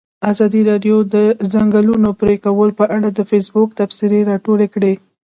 ازادي راډیو د د ځنګلونو پرېکول په اړه د فیسبوک تبصرې راټولې کړي.